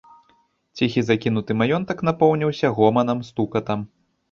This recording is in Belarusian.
Ціхі закінуты маёнтак напоўніўся гоманам, стукатам.